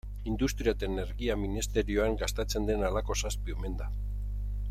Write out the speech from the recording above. Industria eta Energia ministerioan gastatzen den halako zazpi omen da.